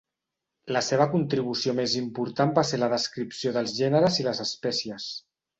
La seva contribució més important va ser la descripció dels gèneres i les espècies.